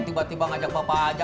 tiba tiba ngajak bapak aja